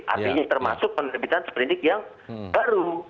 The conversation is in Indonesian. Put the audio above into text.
artinya termasuk penerbitan seperindik yang baru